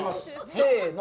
せの。